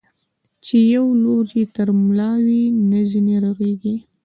چي يو لور يې تر ملا وي، نه ځيني رغېږي.